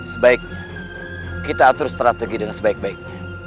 sebaik kita atur strategi dengan sebaik baiknya